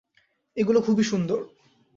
এগুলো খুবই সুন্দর!